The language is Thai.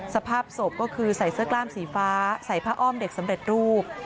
สภาพศพก็คือใส่เสื้อกล้ามสีฟ้าใส่ผ้าอ้อมเด็กสำเร็จรูป